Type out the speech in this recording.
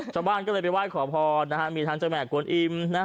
ชาวบ้านก็เลยไปว่ายขอพรนะฮะมีทางจังหมากรวมอิ่มนะ